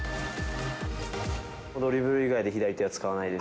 ドリブル以外で左手は使わないです。